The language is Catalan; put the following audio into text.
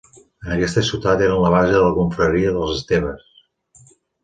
En aquesta ciutat eren la base de la confraria dels esteves.